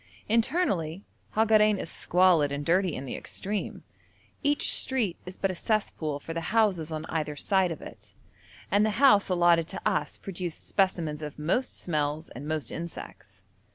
Internally Hagarein is squalid and dirty in the extreme; each street is but a cesspool for the houses on either side of it, and the house allotted to us produced specimens of most smells and most insects.